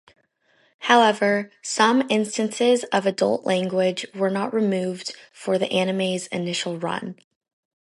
However, some instances of adult language were not removed for the anime's initial run.